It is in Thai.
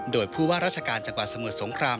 โดยผู้ว่าราชการจังหวัดสมุทรสงคราม